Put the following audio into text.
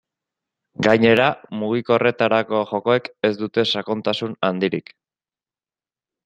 Gainera, mugikorretarako jokoek ez dute sakontasun handirik.